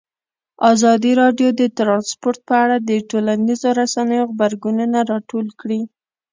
ازادي راډیو د ترانسپورټ په اړه د ټولنیزو رسنیو غبرګونونه راټول کړي.